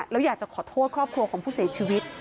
แล้วอยากจะขอโทษครอบครัวของผู้เสียชีวิต